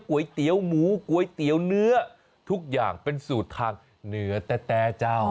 ก๋วยเตี๋ยวหมูก๋วยเตี๋ยวเนื้อทุกอย่างเป็นสูตรทางเหนือแต่เจ้า